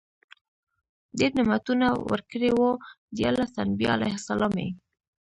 ډير نعمتونه ورکړي وو، ديارلس انبياء عليهم السلام ئي